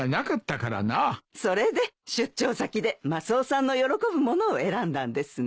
それで出張先でマスオさんの喜ぶ物を選んだんですね。